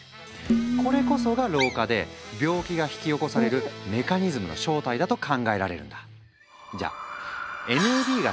これこそが老化で病気が引き起こされるメカニズムの正体だと考えられるんだ。